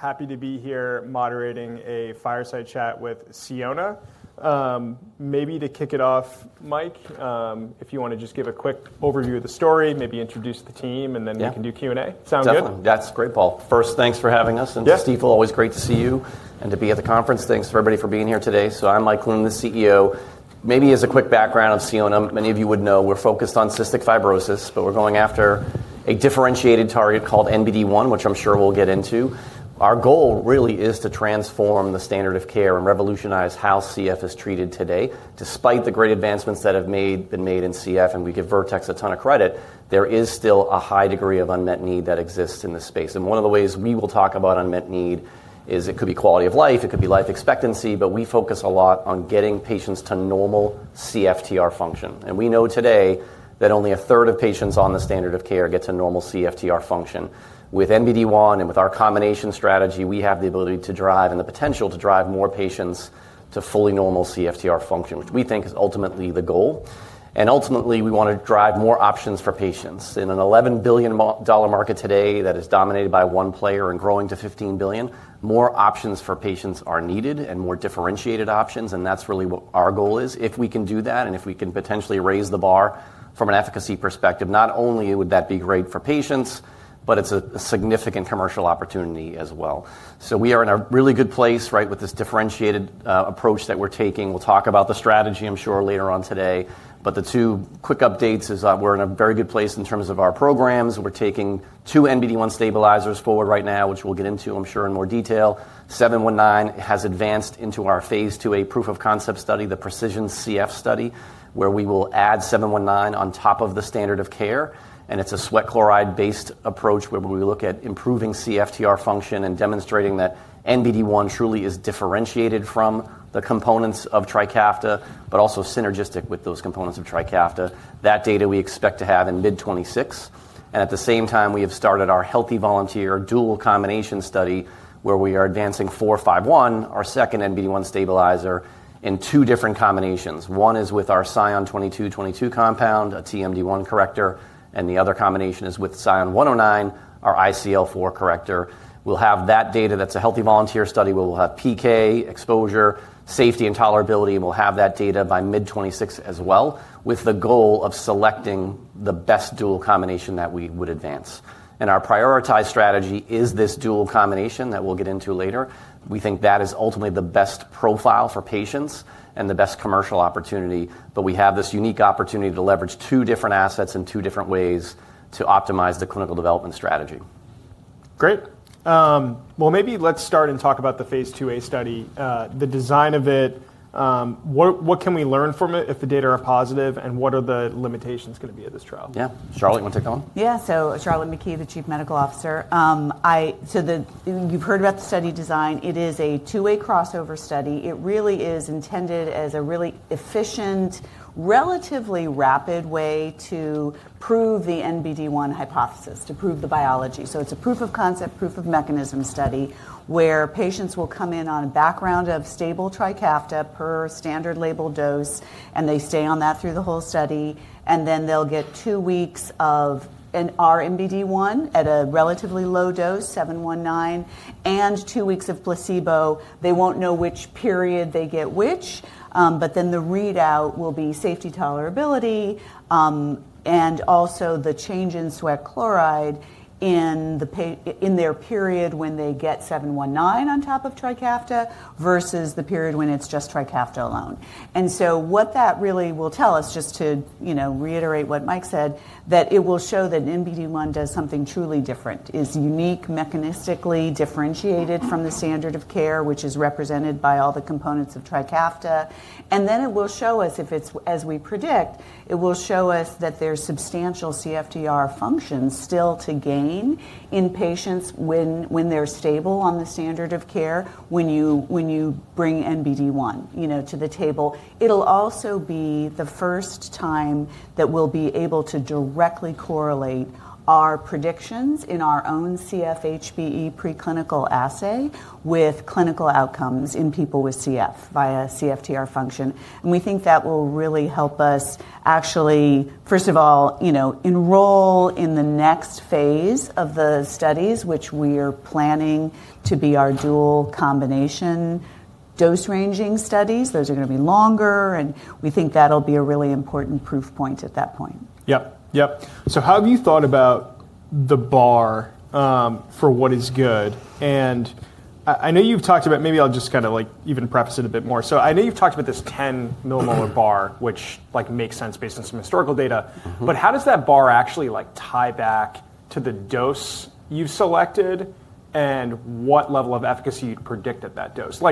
Happy to be here moderating a fireside chat with Sionna. Maybe to kick it off, Mike, if you want to just give a quick overview of the story, maybe introduce the team, and then we can do Q&A. Sound good? That's great, Paul. First, thanks for having us. And Steve, always great to see you and to be at the conference. Thanks for everybody for being here today. So I'm Mike Cloonan, the CEO. Maybe as a quick background on Sionna, many of you would know we're focused on cystic fibrosis, but we're going after a differentiated target called NBD1, which I'm sure we'll get into. Our goal really is to transform the standard of care and revolutionize how CF is treated today. Despite the great advancements that have been made in CF, and we give Vertex a ton of credit, there is still a high degree of unmet need that exists in this space. And one of the ways we will talk about unmet need is it could be quality of life, it could be life expectancy, but we focus a lot on getting patients to normal CFTR function. We know today that only a third of patients on the standard of care get to normal CFTR function. With NBD1 and with our combination strategy, we have the ability to drive and the potential to drive more patients to fully normal CFTR function, which we think is ultimately the goal. Ultimately, we want to drive more options for patients. In a $11 billion market today that is dominated by one player and growing to $15 billion, more options for patients are needed and more differentiated options, and that's really what our goal is. If we can do that and if we can potentially raise the bar from an efficacy perspective, not only would that be great for patients, but it's a significant commercial opportunity as well. We are in a really good place with this differentiated approach that we're taking. We'll talk about the strategy, I'm sure, later on today. The two quick updates is that we're in a very good place in terms of our programs. We're taking two NBD1 stabilizers forward right now, which we'll get into, I'm sure, in more detail. 719 has advanced into our phase II a proof of concept study, the PreciSION CF study, where we will add 719 on top of the standard of care. It's a sweat chloride-based approach where we look at improving CFTR function and demonstrating that NBD1 truly is differentiated from the components of Trikafta, but also synergistic with those components of Trikafta. That data we expect to have in mid-2026. At the same time, we have started our healthy volunteer dual combination study where we are advancing 451, our second NBD1 stabilizer, in two different combinations. One is with our Sion-2222 compound, a TMD1 corrector, and the other combination is with Sion-109, our ICL4 corrector. We'll have that data, that's a healthy volunteer study where we'll have PK, exposure, safety, and tolerability, and we'll have that data by mid-2026 as well, with the goal of selecting the best dual combination that we would advance. Our prioritized strategy is this dual combination that we'll get into later. We think that is ultimately the best profile for patients and the best commercial opportunity. We have this unique opportunity to leverage two different assets in two different ways to optimize the clinical development strategy. Great. Maybe let's start and talk about the phase IIa study, the design of it. What can we learn from it if the data are positive, and what are the limitations going to be of this trial? Yeah. Charlotte, you want to take that one? Yeah. Charlotte McKee, the Chief Medical Officer. You have heard about the study design. It is a two-way crossover study. It really is intended as a really efficient, relatively rapid way to prove the NBD1 hypothesis, to prove the biology. It is a proof of concept, proof of mechanism study where patients will come in on a background of stable Trikafta per standard label dose, and they stay on that through the whole study. They will get two weeks of our NBD1 at a relatively low dose, 719, and two weeks of placebo. They will not know which period they get which, but then the readout will be safety, tolerability, and also the change in sweat chloride in their period when they get 719 on top of Trikafta versus the period when it is just Trikafta alone. What that really will tell us, just to reiterate what Mike said, is that it will show that NBD1 does something truly different, is unique mechanistically, differentiated from the standard of care, which is represented by all the components of Trikafta. It will show us, as we predict, that there is substantial CFTR function still to gain in patients when they are stable on the standard of care when you bring NBD1 to the table. It will also be the first time that we will be able to directly correlate our predictions in our own CFHBE preclinical assay with clinical outcomes in people with CF via CFTR function. We think that will really help us actually, first of all, enroll in the next phase of the studies, which we are planning to be our dual combination dose ranging studies. Those are going to be longer, and we think that'll be a really important proof point at that point. Yep, yep. How have you thought about the bar for what is good? I know you've talked about, maybe I'll just kind of even preface it a bit more. I know you've talked about this 10-millimolar bar, which makes sense based on some historical data. How does that bar actually tie back to the dose you've selected and what level of efficacy you'd predict at that dose?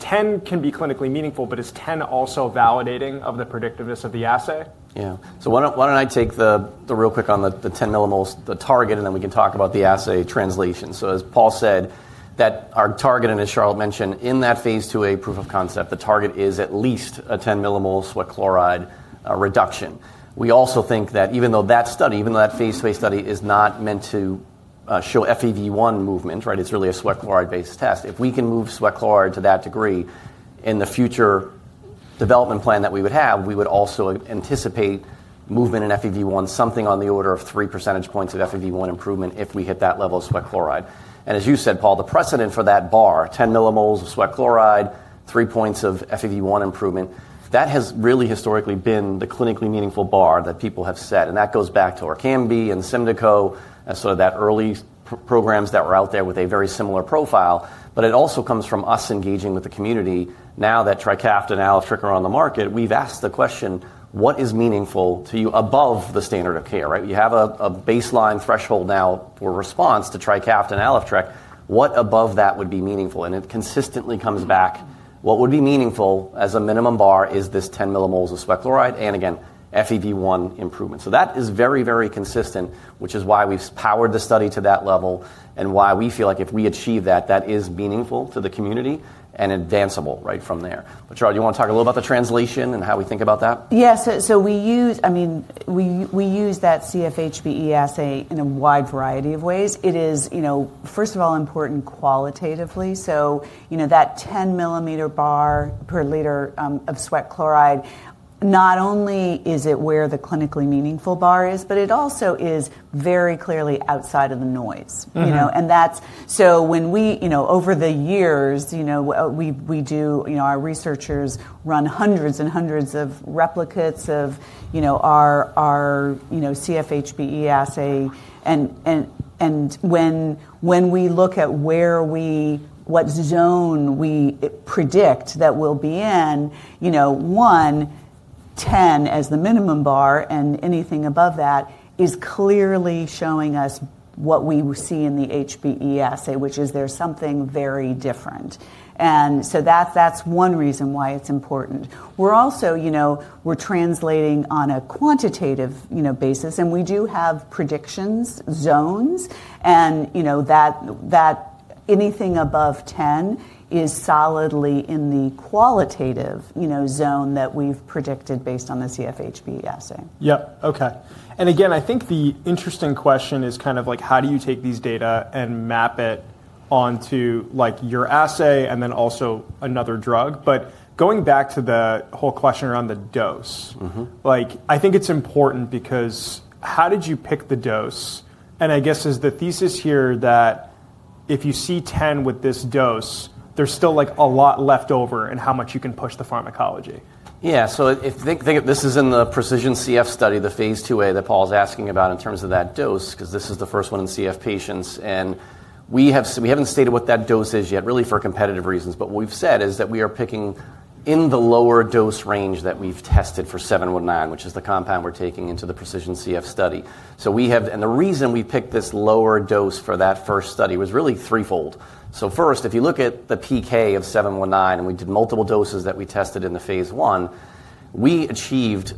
Ten can be clinically meaningful, but is 10 also validating of the predictiveness of the assay? Yeah. Why do not I take the real quick on the 10-millimoles target, and then we can talk about the assay translation. As Paul said, our target, and as Charlotte mentioned, in that phase IIa proof of concept, the target is at least a 10-millimole sweat chloride reduction. We also think that even though that study, even though that phase IIa study is not meant to show FEV1 movement, it is really a sweat chloride-based test. If we can move sweat chloride to that degree, in the future development plan that we would have, we would also anticipate movement in FEV1, something on the order of three percentage points of FEV1 improvement if we hit that level of sweat chloride. As you said, Paul, the precedent for that bar, 10 millimoles of sweat chloride, three points of FEV1 improvement, that has really historically been the clinically meaningful bar that people have set. That goes back to Orkambi and Symdeko, sort of that early programs that were out there with a very similar profile. It also comes from us engaging with the community. Now that Trikafta and elexacaftor are on the market, we've asked the question, what is meaningful to you above the standard of care? You have a baseline threshold now for response to Trikafta and elexacaftor. What above that would be meaningful? It consistently comes back, what would be meaningful as a minimum bar is this 10 millimoles of sweat chloride and, again, FEV1 improvement. That is very, very consistent, which is why we've powered the study to that level and why we feel like if we achieve that, that is meaningful to the community and advanceable right from there. Charlotte, do you want to talk a little about the translation and how we think about that? Yeah. So we use that CFHBE assay in a wide variety of ways. It is, first of all, important qualitatively. That 10 millimolar bar per liter of sweat chloride, not only is it where the clinically meaningful bar is, but it also is very clearly outside of the noise. When we, over the years, our researchers run hundreds and hundreds of replicates of our CFHBE assay. When we look at what zone we predict that we'll be in, 1, 10 as the minimum bar and anything above that is clearly showing us what we see in the HBE assay, which is there's something very different. That is one reason why it's important. We're translating on a quantitative basis, and we do have predictions, zones, and that anything above 10 is solidly in the qualitative zone that we've predicted based on the CFHBE assay. Yep. Okay. I think the interesting question is kind of like, how do you take these data and map it onto your assay and then also another drug? Going back to the whole question around the dose, I think it's important because how did you pick the dose? I guess is the thesis here that if you see 10 with this dose, there's still a lot left over in how much you can push the pharmacology? Yeah. This is in the PreciSION CF study, the phase IIa that Paul is asking about in terms of that dose, because this is the first one in CF patients. We have not stated what that dose is yet, really for competitive reasons. What we have said is that we are picking in the lower dose range that we have tested for 719, which is the compound we are taking into the PreciSION CF study. The reason we picked this lower dose for that first study was really threefold. First, if you look at the PK of 719, and we did multiple doses that we tested in the phase I, we exceeded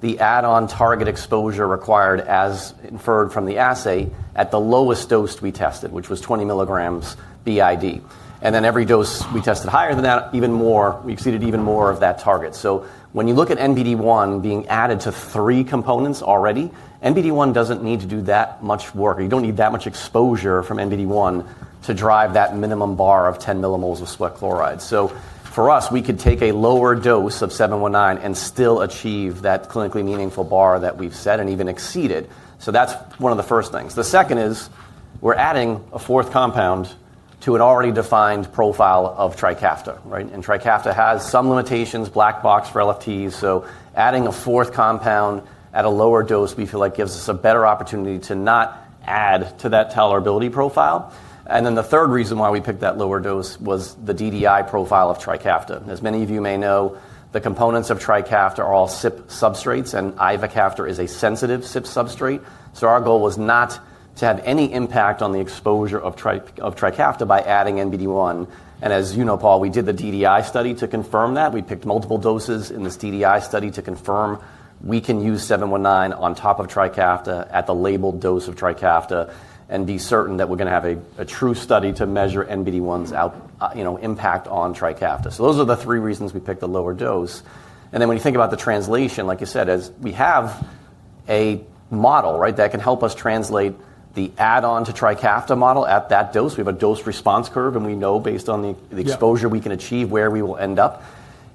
the add-on target exposure required as inferred from the assay at the lowest dose we tested, which was 20 mg BID. Every dose we tested higher than that, even more, we exceeded even more of that target. When you look at NBD1 being added to three components already, NBD1 does not need to do that much work. You do not need that much exposure from NBD1 to drive that minimum bar of 10 millimoles of sweat chloride. For us, we could take a lower dose of 719 and still achieve that clinically meaningful bar that we have set and even exceeded. That is one of the first things. The second is we are adding a fourth compound to an already defined profile of Trikafta. Trikafta has some limitations, black box for LFTs. Adding a fourth compound at a lower dose, we feel like gives us a better opportunity to not add to that tolerability profile. The third reason why we picked that lower dose was the DDI profile of Trikafta. As many of you may know, the components of Trikafta are all CYP substrates, and ivacaftor is a sensitive CYP substrate. Our goal was not to have any impact on the exposure of Trikafta by adding NBD1. As you know, Paul, we did the DDI study to confirm that. We picked multiple doses in this DDI study to confirm we can use 719 on top of Trikafta at the labeled dose of Trikafta and be certain that we're going to have a true study to measure NBD1's impact on Trikafta. Those are the three reasons we picked the lower dose. When you think about the translation, like you said, as we have a model that can help us translate the add-on to Trikafta model at that dose, we have a dose response curve, and we know based on the exposure we can achieve where we will end up.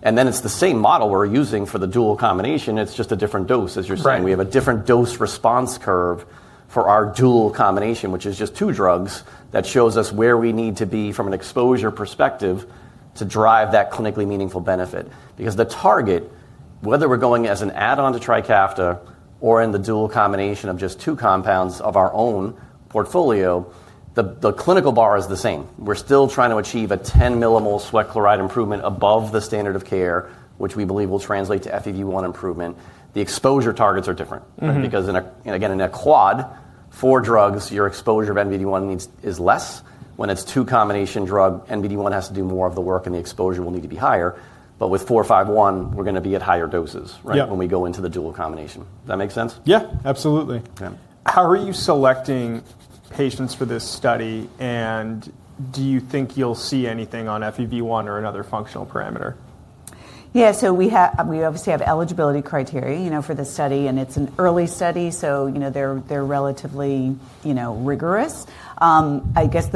It is the same model we're using for the dual combination. It is just a different dose, as you're saying. We have a different dose response curve for our dual combination, which is just two drugs that shows us where we need to be from an exposure perspective to drive that clinically meaningful benefit. Because the target, whether we're going as an add-on to Trikafta or in the dual combination of just two compounds of our own portfolio, the clinical bar is the same. We're still trying to achieve a 10-millimole sweat chloride improvement above the standard of care, which we believe will translate to FEV1 improvement. The exposure targets are different. Because again, in a quad, four drugs, your exposure of NBD1 is less. When it's two combination drug, NBD1 has to do more of the work, and the exposure will need to be higher. With 451, we're going to be at higher doses when we go into the dual combination. Does that make sense? Yeah, absolutely. How are you selecting patients for this study, and do you think you'll see anything on FEV1 or another functional parameter? Yeah. So we obviously have eligibility criteria for this study, and it's an early study, so they're relatively rigorous. I guess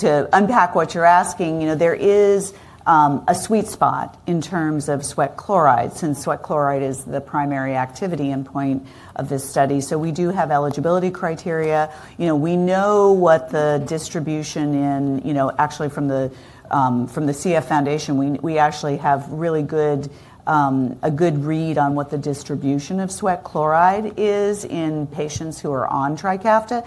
to unpack what you're asking, there is a sweet spot in terms of sweat chloride, since sweat chloride is the primary activity endpoint of this study. So we do have eligibility criteria. We know what the distribution in actually from the Cystic Fibrosis Foundation, we actually have a good read on what the distribution of sweat chloride is in patients who are on Trikafta.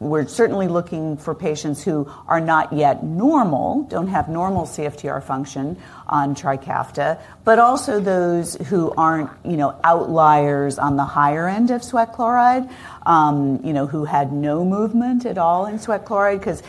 We're certainly looking for patients who are not yet normal, do not have normal CFTR function on Trikafta, but also those who are not outliers on the higher end of sweat chloride, who had no movement at all in sweat chloride. Because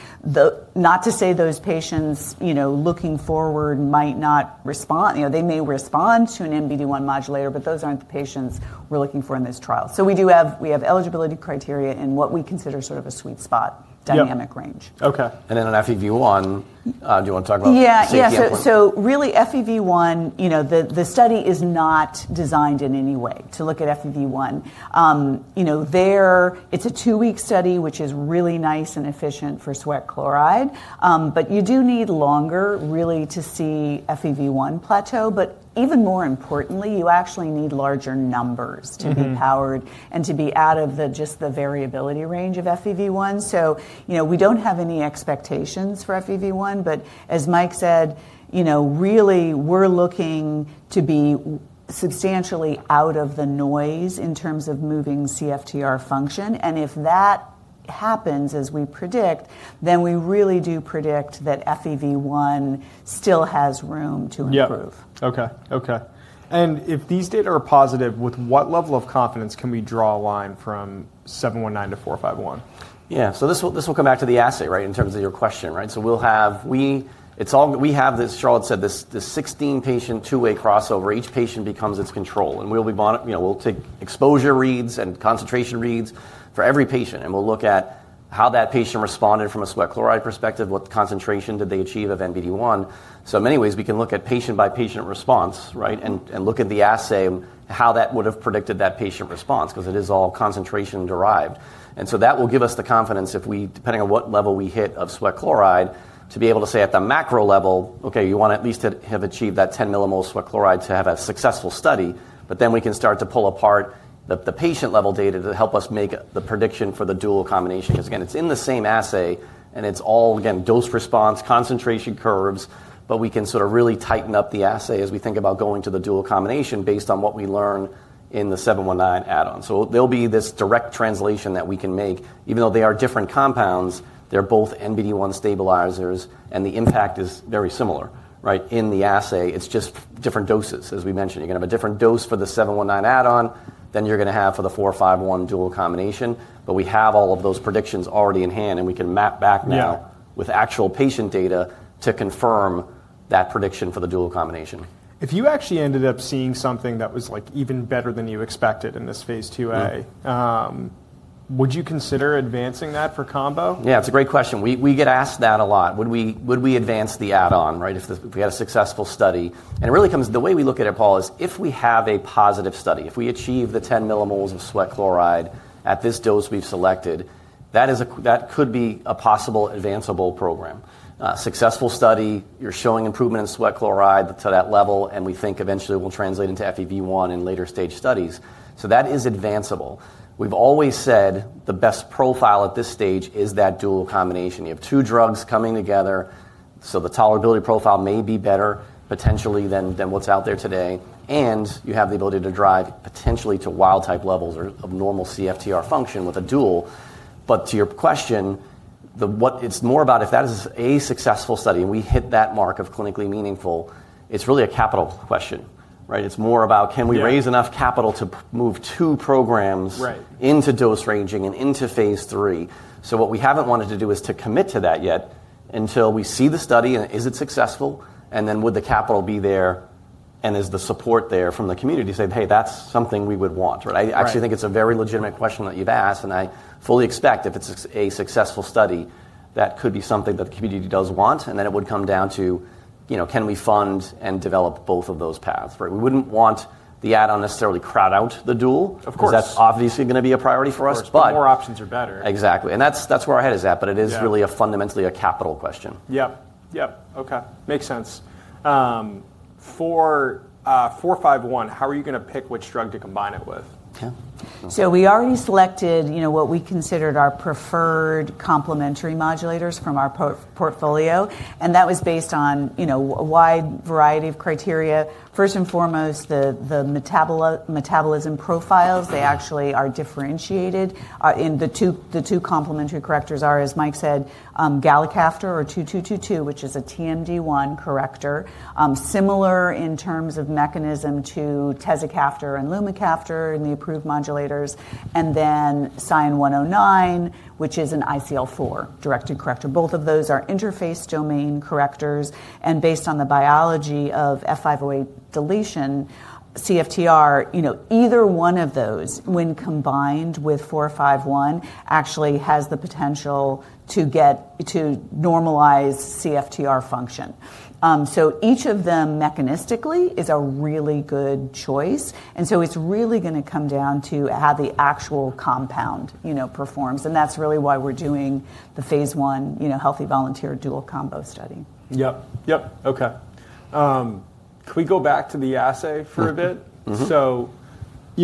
not to say those patients looking forward might not respond. They may respond to an NBD1 modulator, but those aren't the patients we're looking for in this trial. We have eligibility criteria in what we consider sort of a sweet spot dynamic range. Okay. On FEV1, do you want to talk about CFTR? Yeah. So really, FEV1, the study is not designed in any way to look at FEV1. It's a two-week study, which is really nice and efficient for sweat chloride. You do need longer, really, to see FEV1 plateau. Even more importantly, you actually need larger numbers to be powered and to be out of just the variability range of FEV1. We do not have any expectations for FEV1. As Mike said, really, we're looking to be substantially out of the noise in terms of moving CFTR function. If that happens, as we predict, then we really do predict that FEV1 still has room to improve. Yeah. Okay. Okay. If these data are positive, with what level of confidence can we draw a line from 719-451? Yeah. This will come back to the assay in terms of your question. We have this, as Charlotte said, this 16-patient two-way crossover. Each patient becomes its control. We'll take exposure reads and concentration reads for every patient. We'll look at how that patient responded from a sweat chloride perspective, what concentration did they achieve of NBD1. In many ways, we can look at patient-by-patient response and look at the assay and how that would have predicted that patient response because it is all concentration derived. That will give us the confidence, depending on what level we hit of sweat chloride, to be able to say at the macro level, okay, you want to at least have achieved that 10-millimole sweat chloride to have a successful study. We can start to pull apart the patient-level data to help us make the prediction for the dual combination. Because again, it's in the same assay, and it's all, again, dose response, concentration curves. We can sort of really tighten up the assay as we think about going to the dual combination based on what we learn in the 719 add-on. There will be this direct translation that we can make. Even though they are different compounds, they're both NBD1 stabilizers, and the impact is very similar in the assay. It's just different doses. As we mentioned, you're going to have a different dose for the 719 add-on than you're going to have for the 451 dual combination. We have all of those predictions already in hand, and we can map back now with actual patient data to confirm that prediction for the dual combination. If you actually ended up seeing something that was even better than you expected in this phase IIa, would you consider advancing that for combo? Yeah. It's a great question. We get asked that a lot. Would we advance the add-on if we had a successful study? It really comes to the way we look at it, Paul, is if we have a positive study, if we achieve the 10 millimoles of sweat chloride at this dose we've selected, that could be a possible advanceable program. Successful study, you're showing improvement in sweat chloride to that level, and we think eventually it will translate into FEV1 in later stage studies. That is advanceable. We've always said the best profile at this stage is that dual combination. You have two drugs coming together. The tolerability profile may be better potentially than what's out there today. You have the ability to drive potentially to wild-type levels of normal CFTR function with a dual. To your question, it's more about if that is a successful study and we hit that mark of clinically meaningful, it's really a capital question. It's more about can we raise enough capital to move two programs into dose ranging and into phase III. What we haven't wanted to do is to commit to that yet until we see the study and is it successful, and then would the capital be there and is the support there from the community to say, "Hey, that's something we would want." I actually think it's a very legitimate question that you've asked, and I fully expect if it's a successful study, that could be something that the community does want. It would come down to can we fund and develop both of those paths. We wouldn't want the add-on necessarily crowd out the dual because that's obviously going to be a priority for us. Of course. The more options are better. Exactly. That is where our head is at. It is really fundamentally a capital question. Yep. Yep. Okay. Makes sense. For 451, how are you going to pick which drug to combine it with? We already selected what we considered our preferred complementary modulators from our portfolio. That was based on a wide variety of criteria. First and foremost, the metabolism profiles, they actually are differentiated. The two complementary correctors are, as Mike said, galicaftor or 2222, which is a TMD1 corrector, similar in terms of mechanism to tezacaftor and lumacaftor in the approved modulators. Then Sion-109, which is an ICL4 directed corrector. Both of those are interface domain correctors. Based on the biology of F508 deletion, CFTR, either one of those when combined with 451 actually has the potential to normalize CFTR function. Each of them mechanistically is a really good choice. It's really going to come down to how the actual compound performs. That's really why we're doing the phase I healthy volunteer dual combo study. Yep. Yep. Okay. Can we go back to the assay for a bit?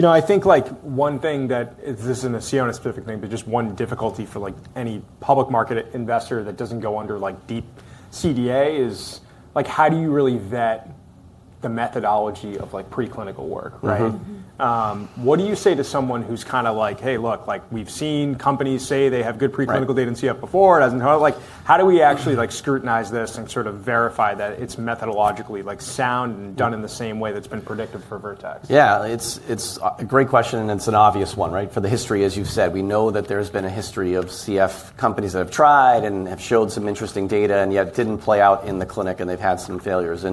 I think one thing that this is not a Sionna specific thing, but just one difficulty for any public market investor that does not go under deep CDA is how do you really vet the methodology of preclinical work? What do you say to someone who is kind of like, "Hey, look, we have seen companies say they have good preclinical data in CF before." How do we actually scrutinize this and sort of verify that it is methodologically sound and done in the same way that has been predicted for Vertex? Yeah. It's a great question, and it's an obvious one. For the history, as you said, we know that there has been a history of CF companies that have tried and have showed some interesting data, yet it didn't play out in the clinic, and they've had some failures.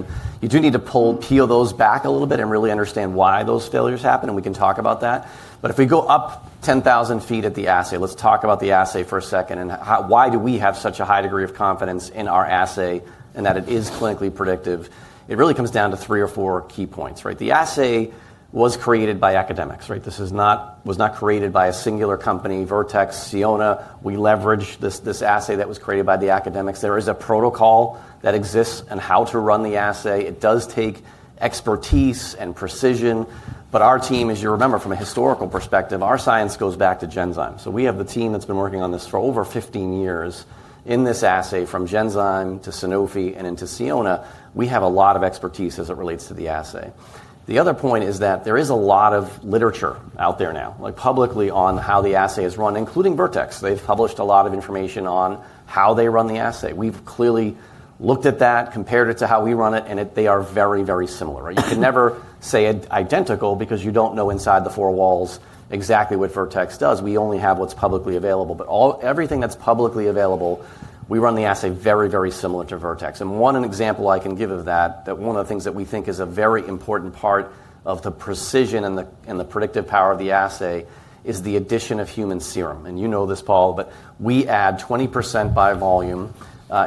You do need to peel those back a little bit and really understand why those failures happen, and we can talk about that. If we go up 10,000 feet at the assay, let's talk about the assay for a second. Why do we have such a high degree of confidence in our assay and that it is clinically predictive? It really comes down to three or four key points. The assay was created by academics. This was not created by a singular company, Vertex, Sionna. We leveraged this assay that was created by the academics. There is a protocol that exists on how to run the assay. It does take expertise and precision. But our team, as you remember, from a historical perspective, our science goes back to Genzyme. We have the team that's been working on this for over 15 years. In this assay, from Genzyme to Sanofi and into Sionna, we have a lot of expertise as it relates to the assay. The other point is that there is a lot of literature out there now publicly on how the assay is run, including Vertex. They've published a lot of information on how they run the assay. We've clearly looked at that, compared it to how we run it, and they are very, very similar. You can never say identical because you don't know inside the four walls exactly what Vertex does. We only have what's publicly available. Everything that's publicly available, we run the assay very, very similar to Vertex. One example I can give of that, that one of the things that we think is a very important part of the precision and the predictive power of the assay is the addition of human serum. You know this, Paul, but we add 20% by volume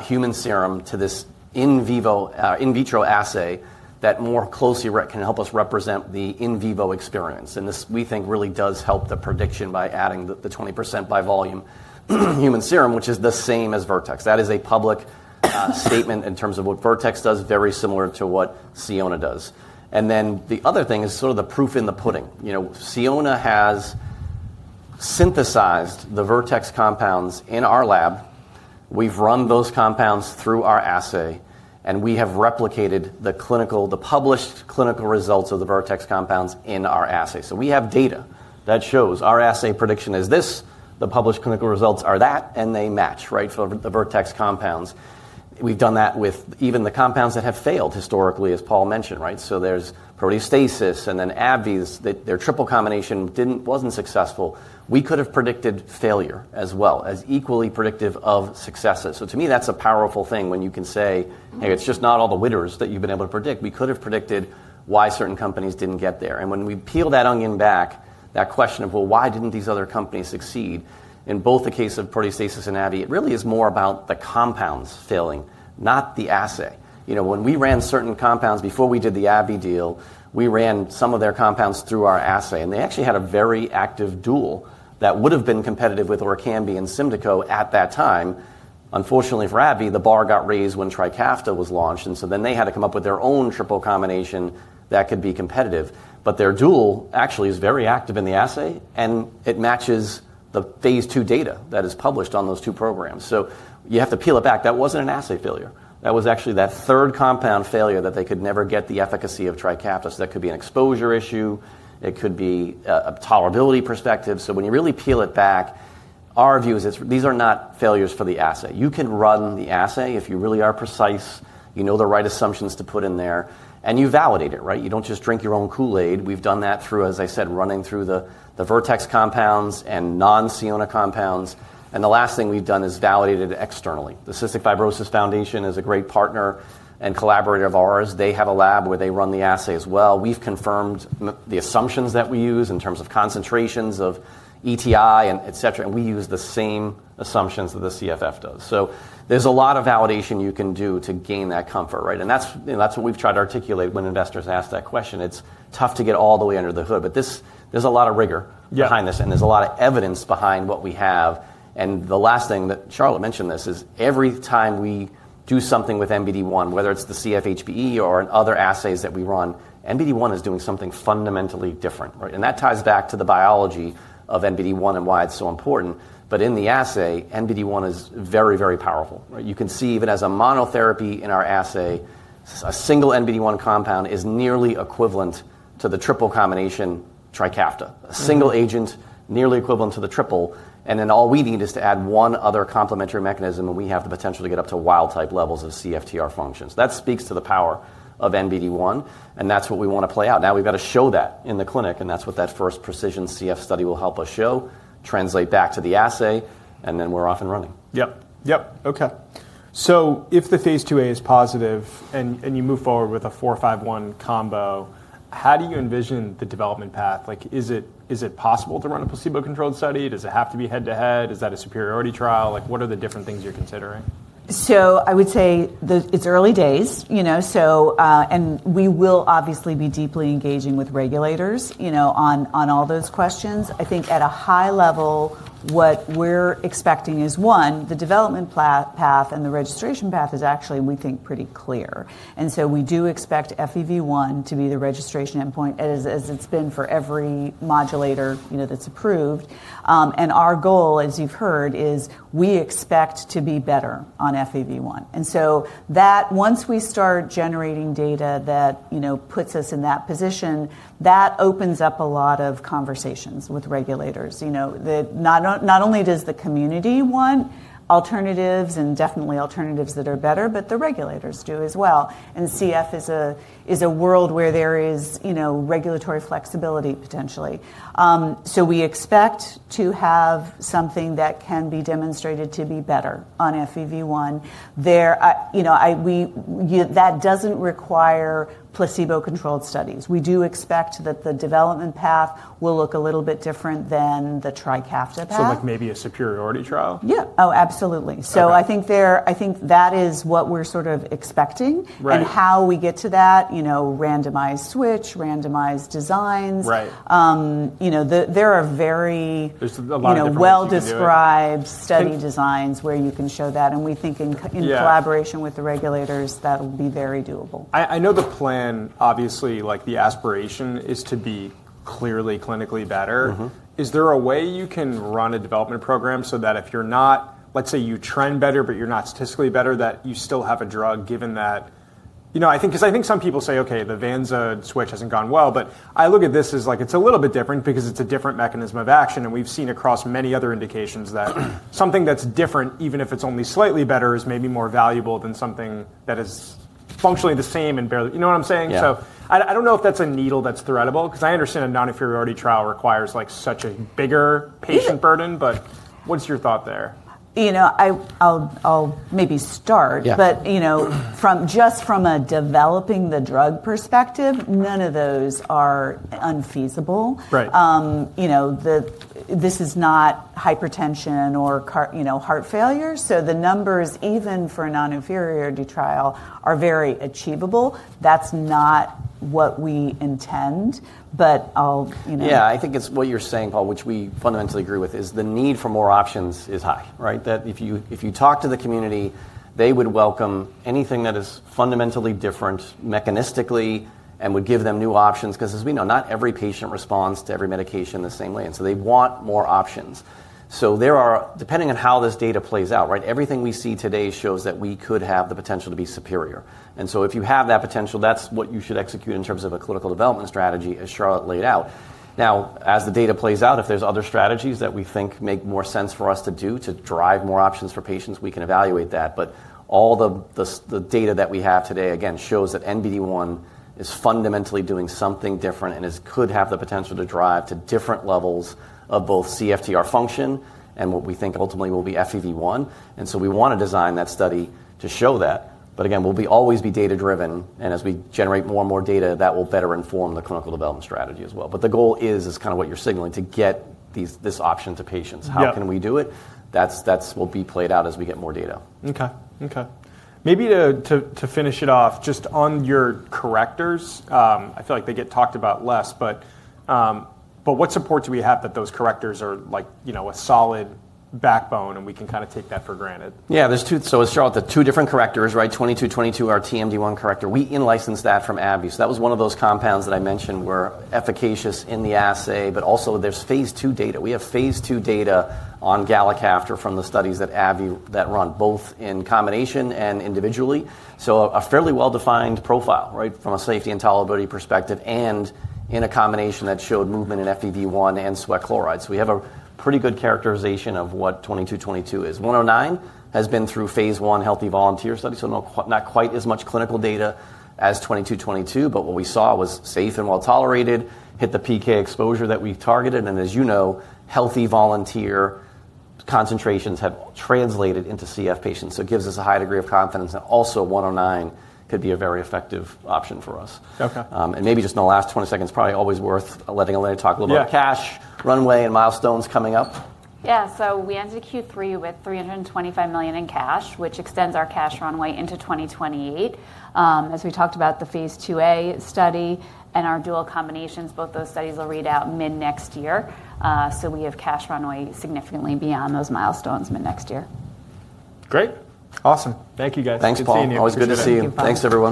human serum to this in vitro assay that more closely can help us represent the in vivo experience. This, we think, really does help the prediction by adding the 20% by volume human serum, which is the same as Vertex. That is a public statement in terms of what Vertex does, very similar to what Sionna does. The other thing is sort of the proof in the pudding. Sionna has synthesized the Vertex compounds in our lab. We've run those compounds through our assay, and we have replicated the published clinical results of the Vertex compounds in our assay. We have data that shows our assay prediction is this. The published clinical results are that, and they match for the Vertex compounds. We've done that with even the compounds that have failed historically, as Paul mentioned. There's Proteostasis and then AbbVie. Their triple combination was not successful. We could have predicted failure as well, as equally predictive of successes. To me, that's a powerful thing when you can say, "Hey, it's just not all the winners that you've been able to predict. We could have predicted why certain companies did not get there. When we peel that onion back, that question of, "Why did not these other companies succeed?" In both the case of Proteostasis Therapeutics and AbbVie, it really is more about the compounds failing, not the assay. When we ran certain compounds before we did the AbbVie deal, we ran some of their compounds through our assay. They actually had a very active dual that would have been competitive with Orkambi and Symdeko at that time. Unfortunately for AbbVie, the bar got raised when Trikafta was launched. They had to come up with their own triple combination that could be competitive. Their dual actually is very active in the assay, and it matches the phase II data that is published on those two programs. You have to peel it back. That was not an assay failure. That was actually that third compound failure that they could never get the efficacy of Trikafta. That could be an exposure issue. It could be a tolerability perspective. When you really peel it back, our view is these are not failures for the assay. You can run the assay if you really are precise. You know the right assumptions to put in there, and you validate it. You do not just drink your own Kool-Aid. We have done that through, as I said, running through the Vertex compounds and non-Sionna compounds. The last thing we have done is validated externally. The Cystic Fibrosis Foundation is a great partner and collaborator of ours. They have a lab where they run the assay as well. We have confirmed the assumptions that we use in terms of concentrations of ETI, etc. We use the same assumptions that the CFF does. There's a lot of validation you can do to gain that comfort. That's what we've tried to articulate when investors ask that question. It's tough to get all the way under the hood. There's a lot of rigor behind this, and there's a lot of evidence behind what we have. The last thing that Charlotte mentioned is every time we do something with NBD1, whether it's the CFHBE or in other assays that we run, NBD1 is doing something fundamentally different. That ties back to the biology of NBD1 and why it's so important. In the assay, NBD1 is very, very powerful. You can see even as a monotherapy in our assay, a single NBD1 compound is nearly equivalent to the triple combination Trikafta, a single agent nearly equivalent to the triple. We need to add one other complementary mechanism, and we have the potential to get up to wild-type levels of CFTR functions. That speaks to the power of NBD1, and that's what we want to play out. Now we've got to show that in the clinic, and that's what that first PreciSION CF study will help us show, translate back to the assay, and then we're off and running. Yep. Yep. Okay. If the phase IIa is positive and you move forward with a 451 combo, how do you envision the development path? Is it possible to run a placebo-controlled study? Does it have to be head-to-head? Is that a superiority trial? What are the different things you're considering? I would say it's early days. We will obviously be deeply engaging with regulators on all those questions. I think at a high level, what we're expecting is, one, the development path and the registration path is actually, we think, pretty clear. We do expect FEV1 to be the registration endpoint, as it's been for every modulator that's approved. Our goal, as you've heard, is we expect to be better on FEV1. Once we start generating data that puts us in that position, that opens up a lot of conversations with regulators. Not only does the community want alternatives and definitely alternatives that are better, but the regulators do as well. CF is a world where there is regulatory flexibility potentially. We expect to have something that can be demonstrated to be better on FEV1. That doesn't require placebo-controlled studies. We do expect that the development path will look a little bit different than the Trikafta path. Maybe a superiority trial? Yeah. Oh, absolutely. I think that is what we're sort of expecting. How we get to that, randomized switch, randomized designs. There are very well-described study designs where you can show that. We think in collaboration with the regulators, that will be very doable. I know the plan, obviously, the aspiration is to be clearly clinically better. Is there a way you can run a development program so that if you're not, let's say you trend better, but you're not statistically better, that you still have a drug given that? Because I think some people say, "Okay, the Vanza switch hasn't gone well." I look at this as it's a little bit different because it's a different mechanism of action. We've seen across many other indications that something that's different, even if it's only slightly better, is maybe more valuable than something that is functionally the same and barely. You know what I'm saying? I don't know if that's a needle that's threadable because I understand a non-inferiority trial requires such a bigger patient burden. What's your thought there? I'll maybe start. But just from a developing the drug perspective, none of those are unfeasible. This is not hypertension or heart failure. So the numbers, even for a non-inferiority trial, are very achievable. That's not what we intend. But I'll. Yeah. I think it's what you're saying, Paul, which we fundamentally agree with, is the need for more options is high. If you talk to the community, they would welcome anything that is fundamentally different mechanistically and would give them new options because, as we know, not every patient responds to every medication the same way. They want more options. Depending on how this data plays out, everything we see today shows that we could have the potential to be superior. If you have that potential, that's what you should execute in terms of a clinical development strategy, as Charlotte laid out. Now, as the data plays out, if there are other strategies that we think make more sense for us to do to drive more options for patients, we can evaluate that. But all the data that we have today, again, shows that NBD1 is fundamentally doing something different and could have the potential to drive to different levels of both CFTR function and what we think ultimately will be FEV1. We want to design that study to show that. We'll always be data-driven. As we generate more and more data, that will better inform the clinical development strategy as well. The goal is, is kind of what you're signaling, to get this option to patients. How can we do it? That will be played out as we get more data. Okay. Okay. Maybe to finish it off, just on your correctors, I feel like they get talked about less. What support do we have that those correctors are a solid backbone and we can kind of take that for granted? Yeah. So with Charlotte, the two different correctors, 2222 or TMD1 corrector, we in-licensed that from AbbVie. That was one of those compounds that I mentioned were efficacious in the assay, but also there's phase II data. We have phase II data on galicaftor from the studies that AbbVie run, both in combination and individually. A fairly well-defined profile from a safety and tolerability perspective and in a combination that showed movement in FEV1 and sweat chloride. We have a pretty good characterization of what 2222 is. 109 has been through phase I healthy volunteer study, so not quite as much clinical data as 2222. What we saw was safe and well tolerated, hit the PK exposure that we targeted. As you know, healthy volunteer concentrations have translated into CF patients. It gives us a high degree of confidence. 109 could be a very effective option for us. Maybe just in the last 20 seconds, probably always worth letting Elena talk a little bit about cash runway and milestones coming up. Yeah. So we entered Q3 with $325 million in cash, which extends our cash runway into 2028. As we talked about the phase 2a study and our dual combinations, both those studies will read out mid next year. We have cash runway significantly beyond those milestones mid next year. Great. Awesome. Thank you, guys. Thanks, Paul. Thanks, Paul. Always good to see you. Thanks everyone.